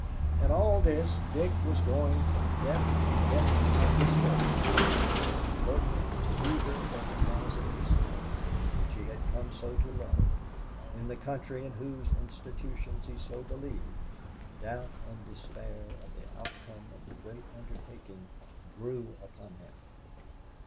In all this, Dick was going from depth to depth of discouragement. Inveterate believer that he was in this town, which he had come so to love, in the country in whose institutions he so believed, doubt and despair of the outcome of the great undertaking grew upon him.